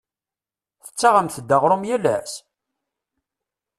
Tettaɣemt-d aɣrum yal ass?